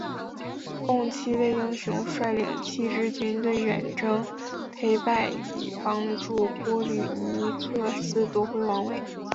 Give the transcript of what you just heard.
共七位英雄率领七支军队远征忒拜以帮助波吕尼克斯夺回王位。